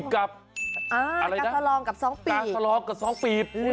กาซาลองกับสองปีบ